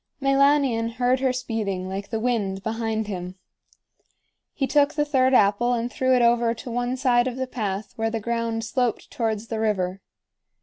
Meilanion heard her speeding like the wind behind him. He took the third apple and threw it over to one side of the path where the ground sloped towards the river.